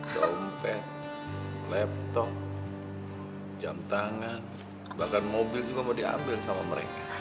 dompet laptop jam tangan bahkan mobil juga mau diambil sama mereka